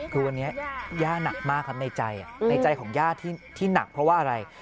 คือวันนี้ย่าหนักมากครับในใจในใจของย่าที่หนักเพราะว่าอะไร